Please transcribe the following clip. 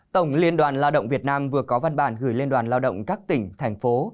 tổng liên đoàn lao động việt nam vừa có văn bản gửi liên đoàn lao động các tỉnh thành phố